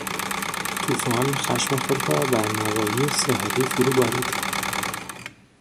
توفان خشم خود را بر نواحی ساحلی فرو بارید.